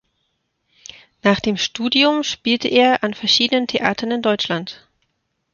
Nach dem Studium spielte er an verschiedenen Theatern in Deutschland.